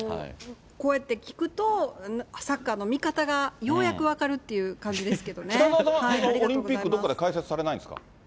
こうやって聞くと、サッカーの見方がようやく分かるっていう北澤さんは、オリンピックはどっかで解説されないんですか？